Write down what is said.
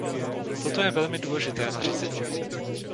Toto je velmi důležité nařízení.